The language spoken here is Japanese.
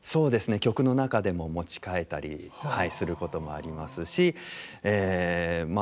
曲の中でも持ち替えたりすることもありますしまあ